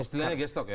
istilahnya gestok ya